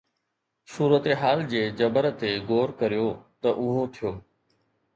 صورتحال جي جبر تي غور ڪريو ته اهو ٿيو.